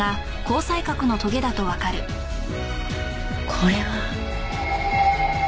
これは。